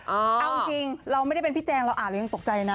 เอาจริงเราไม่ได้เป็นพี่แจงเราอ่านเรายังตกใจนะ